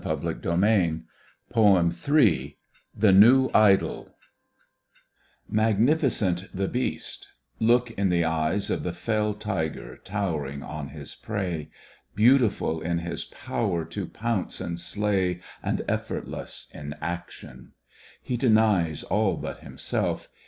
Digitized by Google 13 THE NEW IDOL MAGNiFiCENT the Beast ! Look in the eyes Of the fell tiger towering on his prey. Beautiful in his power to pounce and slay And efiEortless in action. He denies All but himself.